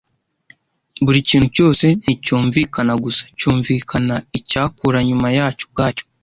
Buri kintu cyose nticyumvikana gusa, cyumvikana icyakura nyuma yacyo ubwacyo,